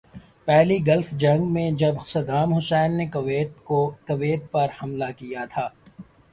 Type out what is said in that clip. پہلی گلف جنگ میں جب صدام حسین نے کویت پہ حملہ کیا تھا۔